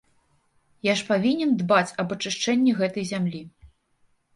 Я ж павінен дбаць аб ачышчэнні гэтай зямлі.